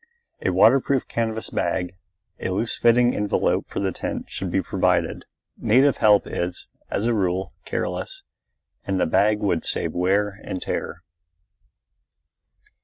A waterproof canvas bag, a loose fitting envelope for the tent should be provided. Native help is, as a rule, careless, and the bag would save wear and tear.